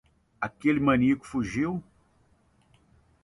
Aquele maníaco fugiu?